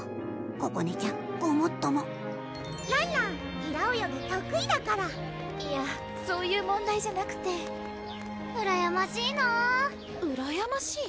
ここねちゃんごもっともらんらん平泳ぎ得意だからいやそういう問題じゃなくてうらやましいなぁうらやましい？